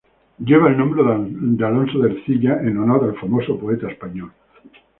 Lleva el nombre de Alonso de Ercilla en honor al famoso poeta español.